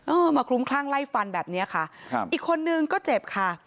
เออมาคลุ้มคลั่งไล่ฟันแบบเนี้ยค่ะครับอีกคนนึงก็เจ็บค่ะ